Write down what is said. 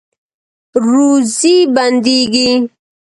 روزي بندیږي؟